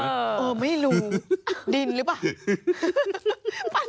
เออไม่รู้ดินหรือเปล่า